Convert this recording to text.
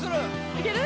いける？